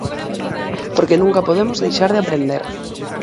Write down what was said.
Porque nunca podemos deixar de aprender.